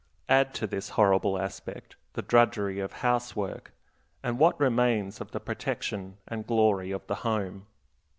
Add to this horrible aspect the drudgery of housework, and what remains of the protection and glory of the home?